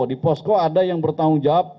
di posko ada yang bertanggung jawab